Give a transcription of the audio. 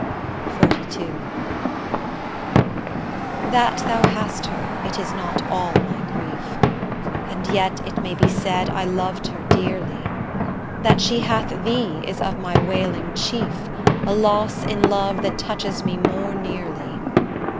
XLII That thou hast her it is not all my grief, And yet it may be said I loved her dearly; That she hath thee is of my wailing chief, A loss in love that touches me more nearly.